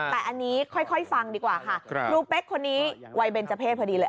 แต่อันนี้ค่อยสั่งดีกว่าค่ะคุณเป๊ะคนนี้ไว้เบ็นจะเพชรพอดีเลย